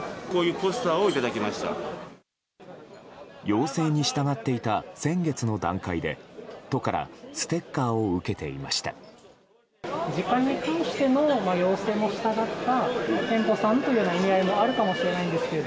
要請に従っていた先月の段階で都からステッカーを受けていました。